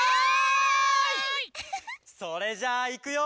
「それじゃあいくよ」